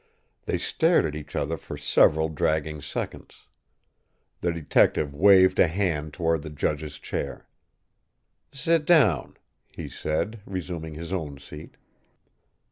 They stared at each other for several dragging seconds. The detective waved a hand toward the judge's chair. "Sit down," he said, resuming his own seat.